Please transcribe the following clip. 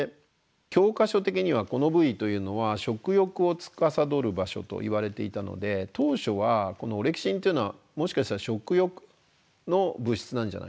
教科書的にはこの部位というのは食欲をつかさどる場所といわれていたので当初はこのオレキシンっていうのはもしかしたら食欲の物質なんじゃないか。